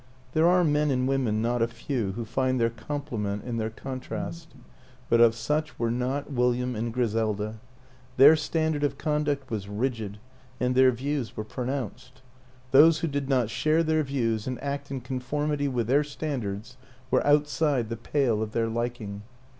There are men and women not a few who find their com plement in their contrast; but of such were not William and Griselda. Their standard of con duct was rigid and their views were pronounced; those who did not share their views and act in conformity with their standards were outside the 23 24 WILLIAM AN ENGLISHMAN pale of their liking.